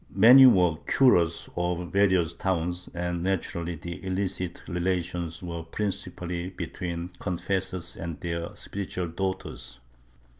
Many were cnras of various towns and naturally the illicit relations were principally between confessors and their spiritual daughters.